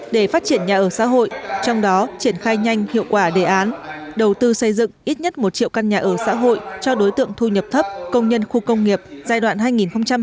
để phát triển nhà ở xã hội trong đó triển khai nhanh hiệu quả đề án đầu tư xây dựng ít nhất một triệu căn nhà ở xã hội cho đối tượng thu nhập thấp công nhân khu công nghiệp giai đoạn hai nghìn một mươi sáu hai nghìn hai mươi năm